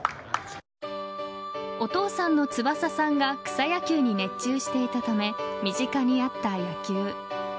お父さんの翼さんが草野球に熱中していたため身近にあった野球。